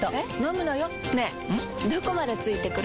どこまで付いてくる？